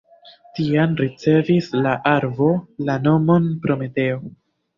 Tiam ricevis la arbo la nomon Prometeo.